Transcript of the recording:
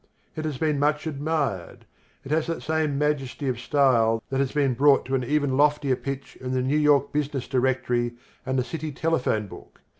It has been much admired. It has that same majesty of style that has been brought to an even loftier pitch in the New York Business Directory and the City Telephone Book.